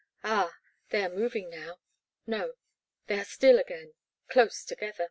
Ah ! they are moving now — ^no, they are still again, close together.